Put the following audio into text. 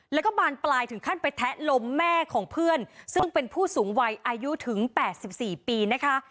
แล้วก็บานปลายถึงขั้นไปแทะลมแม่ของเพื่อนซึ่งเป็นผู้สูงวัยอายุถึง๘๔ปีนะคะ